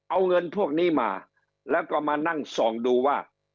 เอาเงินพวกนี้มาแล้วก็มานั่งส่องดูว่า